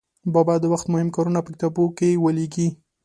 بابا د وخت مهم کارونه په کتابچو کې ولیکي.